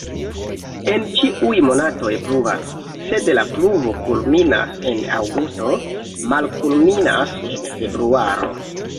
En ĉiuj monatoj pluvas, sed la pluvo kulminas en aŭgusto, malkulminas en februaro.